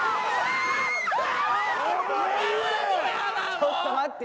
ちょっと待って。